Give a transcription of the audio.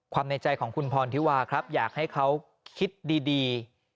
ในใจของคุณพรธิวาครับอยากให้เขาคิดดี